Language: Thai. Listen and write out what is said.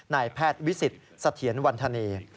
ในแพทย์วิสิทธิ์สะเทียนวัลธานี